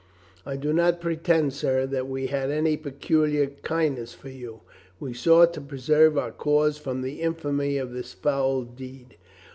I do not pretend, sir, that we had any peculiar kindness for you. We sought to preserve our cause from the infamy of this foul deed.